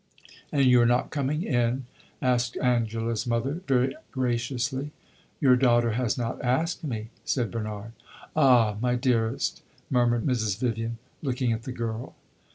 "And you are not coming in?" asked Angela's mother, very graciously. "Your daughter has not asked me!" said Bernard. "Ah, my dearest," murmured Mrs. Vivian, looking at the girl.